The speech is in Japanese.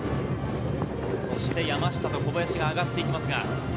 山下と小林が上がっていきます。